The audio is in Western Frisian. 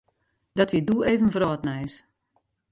Dat wie doe even wrâldnijs.